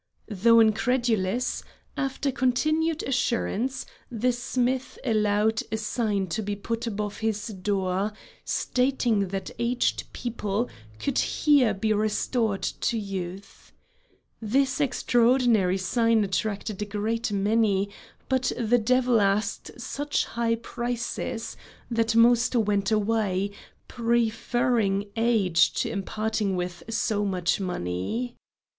Though incredulous, after continued assurance the smith allowed a sign to be put above his door, stating that aged people could here be restored to youth. This extraordinary sign attracted a great many, but the devil asked such high prices that most went away, preferring age to parting with so much money.